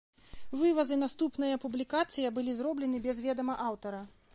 Вываз і наступная публікацыя былі зроблены без ведама аўтара.